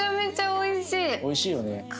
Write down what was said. おいしいよね。